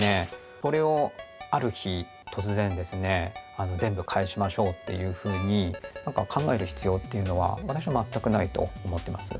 それをある日突然ですね全部返しましょうっていうふうに何か考える必要っていうのは私は全くないと思ってます。